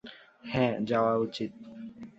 হ্যাঁ, যাওয়া উচিত।